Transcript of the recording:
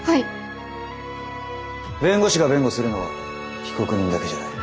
弁護士が弁護するのは被告人だけじゃない。